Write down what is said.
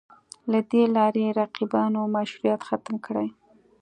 له دې لارې رقیبانو مشروعیت ختم کړي